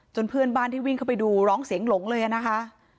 เพื่อนบ้านที่วิ่งเข้าไปดูร้องเสียงหลงเลยนะคะ